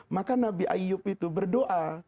maka nabi ayub itu berdoa